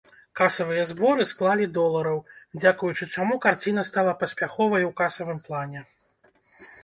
Касавыя зборы склалі долараў, дзякуючы чаму карціна стала паспяховай ў касавым плане.